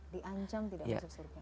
diancam tidak masuk surga